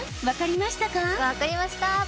分かりました！